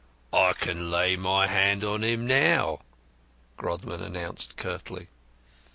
"I can lay my hand on him now," Grodman announced curtly.